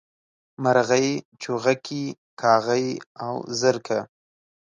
مرغۍ، چوغکي کاغۍ او زرکه